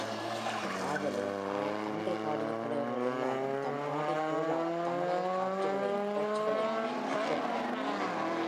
ஆதலின், அன்று பாடிய புலவர்கள் எல்லாரும், தம் பாடற் பொருளாகத் தமிழகக் காட்சிகளையும், நிகழ்ச்சிகளையுமே மேற் கொண்டனர்.